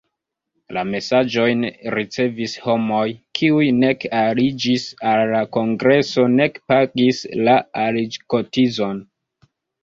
La mesaĝojn ricevis homoj, kiuj nek aliĝis al la kongreso nek pagis la aliĝkotizon.